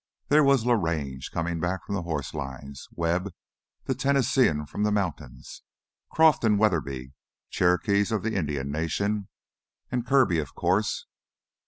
There was Larange, coming back from the horse lines, Webb, the Tennesseean from the mountains, Croff and Weatherby, Cherokees of the Indian Nations, and Kirby, of course.